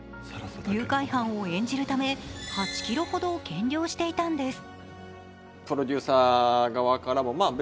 誘拐犯を演じるため８ｋｇほど減量していたんです。